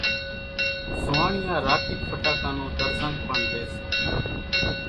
زوئاڻيا راڪيٽ ڦٽاڪان نون ۮرزن پڻ لئي سي